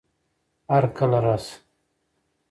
هرکله راشه